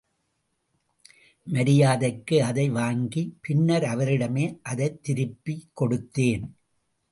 மரியாதைக்கு அதை வாங்கி பின்னர் அவரிடமே அதைத் திருப்பிக் கொடுத்தேன்.